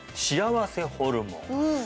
幸せホルモン